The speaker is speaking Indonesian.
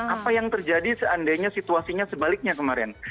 apa yang terjadi seandainya situasinya sebaliknya kemarin